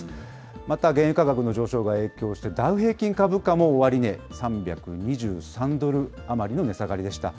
また、原油価格の上昇が影響して、ダウ平均株価も終値３２３ドル余りの値下がりでした。